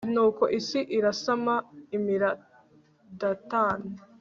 nuko isi irasama, imira datani